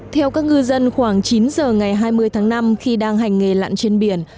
theo các ngư dân khoảng chín giờ ngày hai mươi tháng năm khi đang hành nghề lặn trên biển